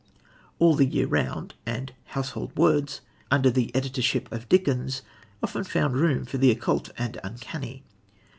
All the Year Round and Household Words, under the editorship of Dickens, often found room for the occult and the uncanny.